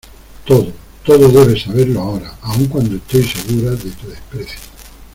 todo, todo debes saberlo ahora , aun cuando estoy segura de tu desprecio...